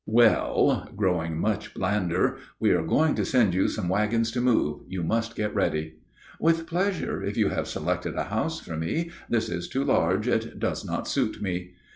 "Well," growing much blander, "we are going to send you some wagons to move; you must get ready." "With pleasure, if you have selected a house for me. This is too large; it does not suit me."